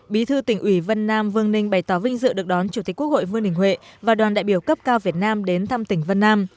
bí thư tỉnh ủy vân nam vương ninh bày tỏ vinh dự được đón chủ tịch quốc hội vương đình huệ và đoàn đại biểu cấp cao việt nam đến thăm tỉnh vân nam